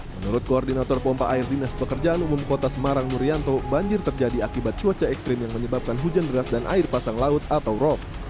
menurut koordinator pompa air dinas pekerjaan umum kota semarang murianto banjir terjadi akibat cuaca ekstrim yang menyebabkan hujan deras dan air pasang laut atau rop